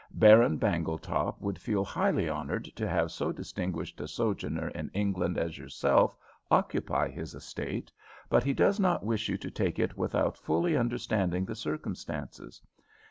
"Baron Bangletop would feel highly honored to have so distinguished a sojourner in England as yourself occupy his estate, but he does not wish you to take it without fully understanding the circumstances.